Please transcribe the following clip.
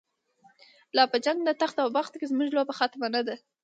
لا په جنگ د تخت او بخت کی، زمونږ لوبه ختمه نده